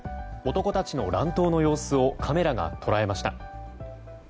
男たちの乱闘の様子をカメラが捉えました。